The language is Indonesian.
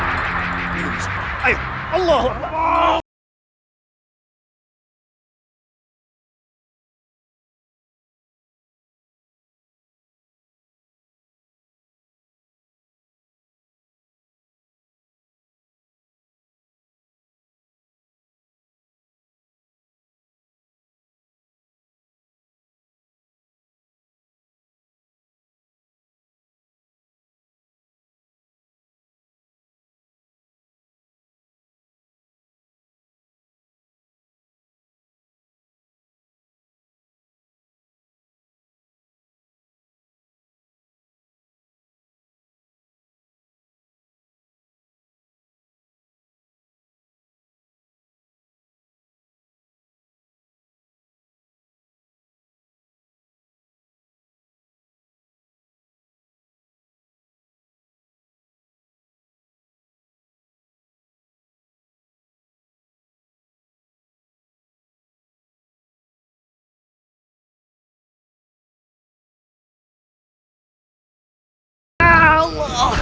ayuh allah allah